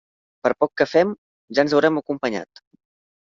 Per poc que fem ja ens haurem acompanyat.